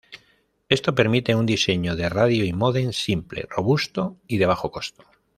Esto permite un diseño de radio y módem simple, robusto y de bajo costo.